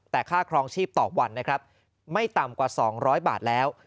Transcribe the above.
แต่ค่าครองชีพต่อวันนะครับไม่ต่ำกว่า๒๐๐บาทแล้ว